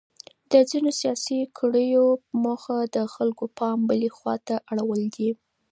د ځینو سیاسي کړیو موخه د خلکو پام بلې خواته اړول دي.